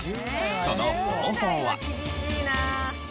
その方法は。